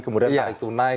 kemudian tarik tunai